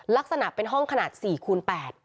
ลักษณะเป็นห้องขนาด๔คูณ๘